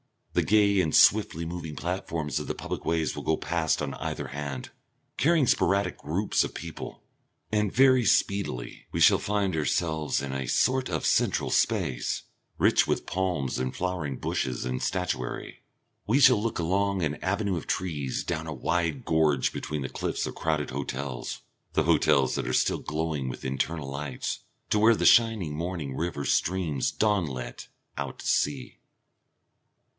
The gay and swiftly moving platforms of the public ways will go past on either hand, carrying sporadic groups of people, and very speedily we shall find ourselves in a sort of central space, rich with palms and flowering bushes and statuary. We shall look along an avenue of trees, down a wide gorge between the cliffs of crowded hotels, the hotels that are still glowing with internal lights, to where the shining morning river streams dawnlit out to sea.